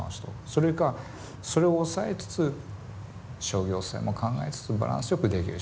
それかそれを抑えつつ商業性も考えつつバランスよくできる人。